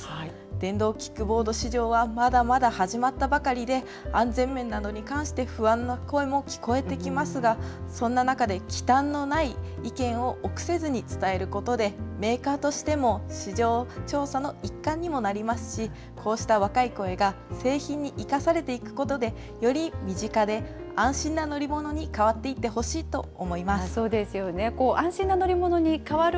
電動キックボード市場はまだまだ始まったばかりで、安全面などに関して不安な声も聞こえてきますが、そんな中できたんのない意見を臆せずに伝えることで、メーカーとしても市場調査の一環にもなりますし、こうした若い声が製品に生かされていくことで、より身近で安心な乗り物に変わっていってほしいと思います。